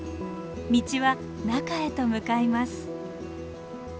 道は中へと向かいます。